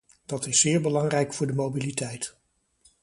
Dat is zeer belangrijk voor de mobiliteit.